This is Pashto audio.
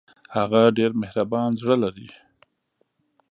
هغه ډېر مهربان زړه لري